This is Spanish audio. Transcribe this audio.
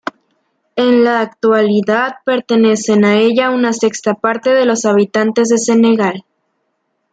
En la actualidad, pertenecen a ella una sexta parte de los habitantes de Senegal.